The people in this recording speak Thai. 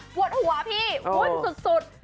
ปวดหัวพี่อ้วนสุด